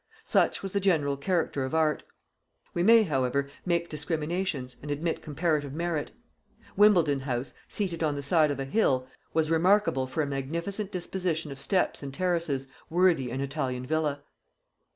Such was the general character of art. We may however make discriminations, and admit comparative merit. Wimbledon house, seated on the side of a hill, was remarkable for a magnificent disposition of steps and terraces worthy an Italian villa.